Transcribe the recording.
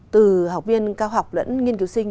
từ học viên cao học lẫn nghiên cứu sinh